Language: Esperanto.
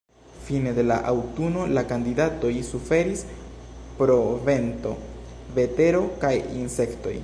Fine de la aŭtuno la kandidatoj suferis pro vento, vetero kaj insektoj.